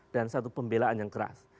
dan satu pembelaan yang keras